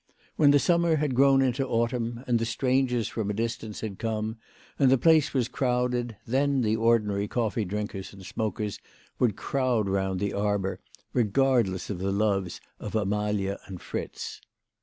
When the summer had grown into autumn, and the strangers from a distance had come, and the place was crowded, then the ordinary coffee drinkers and smokers would crowd round the arbour, regardless of the loves of Amalia and Fritz.